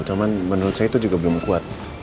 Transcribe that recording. cuman menurut saya itu juga belum kuat